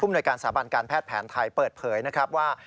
โดยการสาบันการแพทย์แผนไทยเปิดเผยนะครับว่า